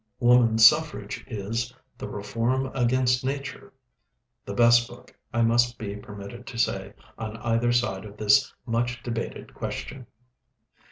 'Women's Suffrage' is 'The Reform against Nature' the best book, I must be permitted to say, on either side of this much debated question.